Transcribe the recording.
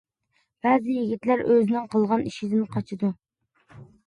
بەزى يىگىتلەر ئۆزىنىڭ قىلغان ئىشىدىن قاچىدۇ.